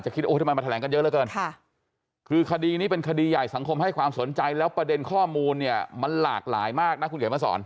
ข้อมูลเนี่ยมันหลากหลายมากนะคุณเก๋มาสอน